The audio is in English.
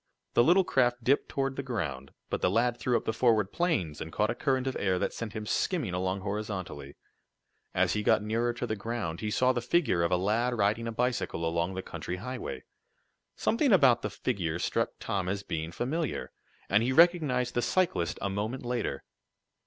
The little craft dipped toward the ground, but the lad threw up the forward planes, and caught a current of air that sent him skimming along horizontally. As he got nearer to the ground, he saw the figure of a lad riding a bicycle along the country highway. Something about the figure struck Tom as being familiar, and he recognized the cyclist a moment later.